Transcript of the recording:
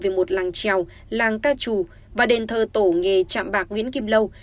về một làng trèo làng ca trù và đền thờ tổ nghề chạm bạc nguyễn kim lâu